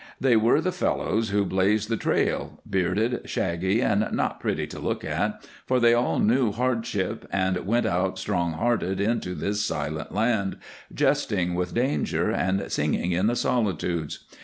They were the fellows who blazed the trail, bearded, shaggy, and not pretty to look at, for they all knew hardship and went out strong hearted into this silent land, jesting with danger and singing in the solitudes.